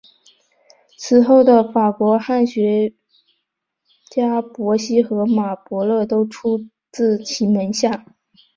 此后的法国汉学家伯希和与马伯乐都出自其门下。